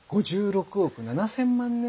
５６億７，０００万年！